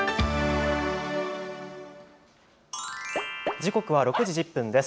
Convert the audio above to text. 時刻は６時１０分です。